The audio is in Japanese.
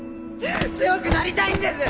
強くなりたいんです！